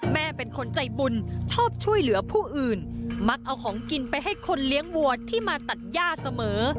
แม่เป็นคนใจบุญชอบช่วยเหลือผู้อื่นมักเอาของกินไปให้คนเลี้ยงวัวที่มาตัดย่าเสมอ